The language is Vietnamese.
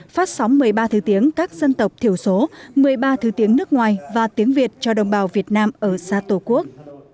phát sóng một mươi ba thứ tiếng các dân tộc thiểu số một mươi ba thứ tiếng nước ngoài và tiếng việt cho đồng bào việt nam ở xa tổ quốc